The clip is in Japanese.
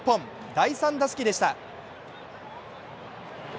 第３打席でした。